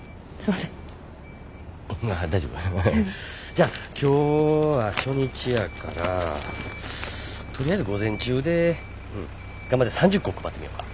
じゃあ今日は初日やからとりあえず午前中で頑張って３０個配ってみよか。